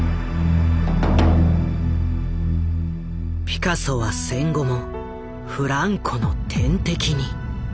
ピカソは戦後もフランコの天敵に。